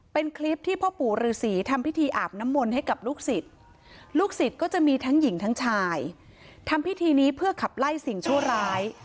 เป็นคลิปที่พ่อปู่ฤษีทำพิธีอาบน้ำมนต์ให้กับลูกศิษย์ลูกศิษย์ก็จะมีทั้งหญิงทั้งชายทำพิธีนี้เพื่อขับไล่สิ่งชั่วร้าย